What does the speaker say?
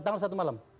tanggal satu malam